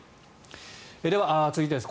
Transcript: では、続いてです。